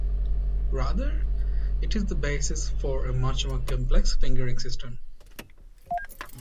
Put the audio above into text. Rather, it is the basis for a much more complex fingering system.